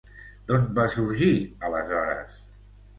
D'on va sorgir aleshores?